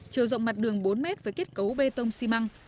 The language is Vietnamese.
chiều rộng mặt đường bốn mét với kết cấu bê tông xi măng